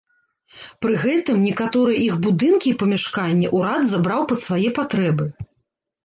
Пры гэтым, некаторыя іх будынкі і памяшканні ўрад забраў пад свае патрэбы.